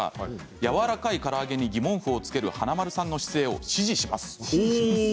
やわらかいから揚げに疑問符をつける華丸さんの姿勢を支持します。